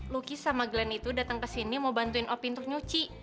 lukis sama glenn itu datang ke sini mau bantuin opin untuk nyuci